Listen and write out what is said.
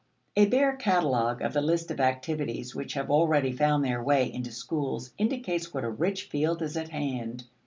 A bare catalogue of the list of activities which have already found their way into schools indicates what a rich field is at hand.